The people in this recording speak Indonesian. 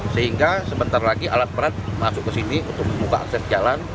sehingga sebentar lagi alat berat masuk ke sini untuk membuka akses jalan